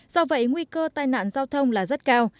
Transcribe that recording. do vậy nguy cơ tai nạn giao thông là rất cao